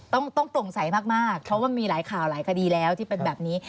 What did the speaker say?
ต้องโปร่งใสมากเพราะว่ามีหลายข่าวหลายคดีแล้วที่เป็นแบบนี้